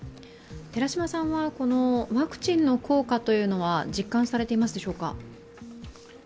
寺嶋さんはこのワクチンの効果というのは実感されていますでしょうか？